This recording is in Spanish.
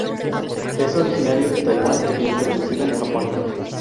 Es originario de Taiwán e introducido en Japón.